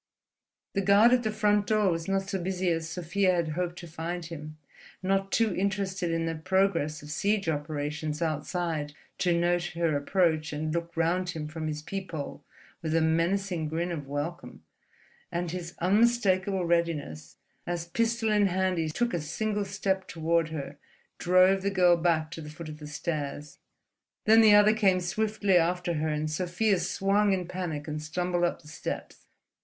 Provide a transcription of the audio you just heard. The guard at the front door was not so busy as Sofia had hoped to find him, not too interested in the progress of siege operations outside to note her approach and look round from his peephole with a menacing grin of welcome; and his unmistakable readiness, as pistol in hand he took a single step toward her, drove the girl back to the foot of the stairs. Then the other came swiftly after her, and Sofia swung in panic and stumbled up the steps.